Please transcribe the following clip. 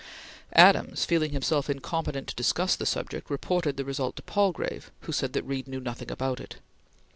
Adams, feeling himself incompetent to discuss this subject, reported the result to Palgrave, who said that Reed knew nothing about it.